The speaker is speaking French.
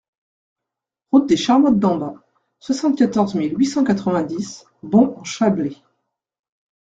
Route des Charmottes d'en Bas, soixante-quatorze mille huit cent quatre-vingt-dix Bons-en-Chablais